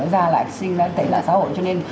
mới ra lại sinh lại tẩy lại xã hội cho nên